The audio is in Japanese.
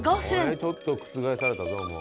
ちょっと覆されたぞもう。